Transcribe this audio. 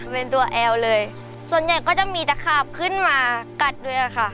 เป็นตัวแอลเลยส่วนใหญ่ก็จะมีตะขาบขึ้นมากัดด้วยค่ะ